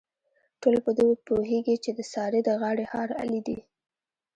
ټول په دې پوهېږي، چې د سارې د غاړې هار علي دی.